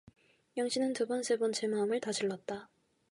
영신은 두번 세번 제 마음을 다질렀다.